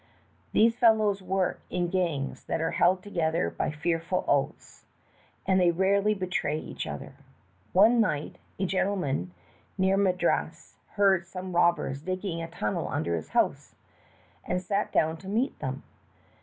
These fellows work in gangs that are held together by fearful oaths, and they rarely betray each other. One night a gentleman near Madras heard some robbers digging a tunnel under his house, and sat down to meet them.